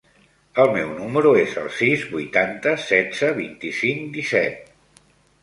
El meu número es el sis, vuitanta, setze, vint-i-cinc, disset.